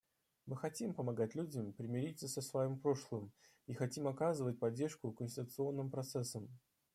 Мы хотим помогать людям примириться со своим прошлым и хотим оказывать поддержку конституционным процессам.